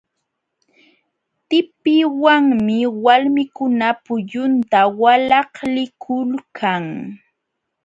Tikpiwanmi walmikuna pullunta walaklikulkan.